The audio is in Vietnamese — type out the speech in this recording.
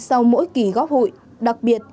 sau mỗi kỳ góp hội đặc biệt